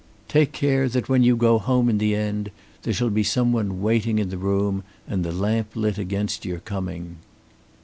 Take care that when you go home in the end, there shall be some one waiting in the room and the lamp lit against your coming.'"